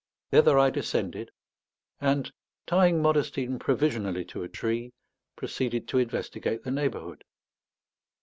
Thither I descended, and, tying Modestine provisionally to a tree, proceeded to investigate the neighbourhood.